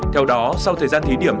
theo đó sau thời gian thí điểm